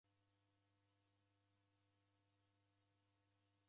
Mwandu ghoka ghadi ya mzi.